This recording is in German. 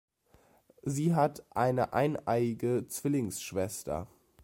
Sie hat eine eineiige Zwillingsschwester.